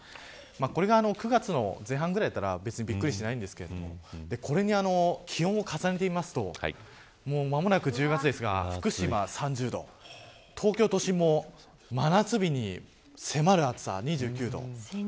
これが９月の前半だったらびっくりしないですけどこれに気温を重ねて見ると間もなく１０月ですが福島３０度東京都心も真夏日に迫る暑さ２９度。